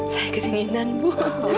saya keseginan bu